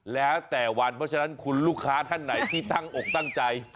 แล้วแต่วันเพราะฉะนั้นคุณลูกค้าท่านไหนที่ตั้งอกตั้งใจ